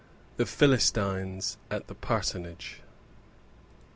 THE PHILISTINES AT THE PARSONAGE.